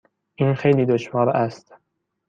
این خیلی دشوار است.